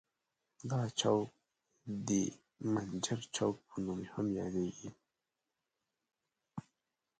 دا چوک د منجر چوک په نوم هم یادیږي.